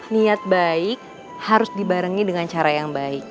niat baik harus dibarengi dengan cara yang baik